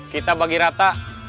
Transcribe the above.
kita bagi rata